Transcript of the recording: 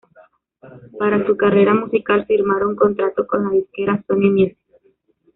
Para su carrera musical firmaron contrato con la disquera Sony Music.